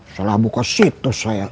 salah buka situs saya